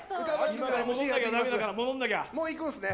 もう行くんですね。